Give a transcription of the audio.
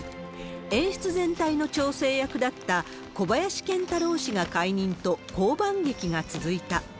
演出全体の調整役だった小林賢太郎氏が解任と、降板劇が続いた。